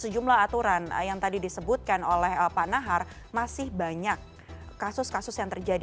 sejumlah aturan yang tadi disebutkan oleh pak nahar masih banyak kasus kasus yang terjadi